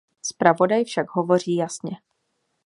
Zpravodaj však hovoří jasně.